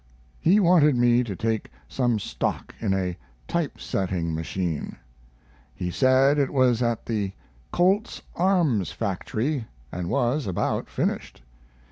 He wanted me to take some stock in a type setting machine. He said it was at the Colt's Arms factory, and was about finished.